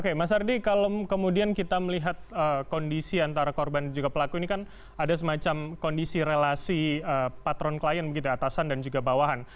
oke mas ardi kalau kemudian kita melihat kondisi antara korban dan juga pelaku ini kan ada semacam kondisi relasi patron klien begitu atasan dan juga bawahan